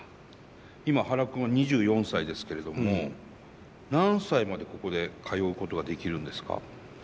今ハラ君は２４歳ですけれども何歳までここで通うことができるんですか？